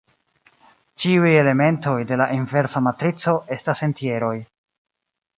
Ĉiuj elementoj de la inversa matrico estas entjeroj.